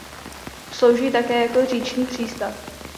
Slouží také jako říční přístav.